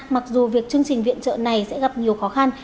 mặc dù việc chương trình viện trợ này sẽ gặp nhiều khó khăn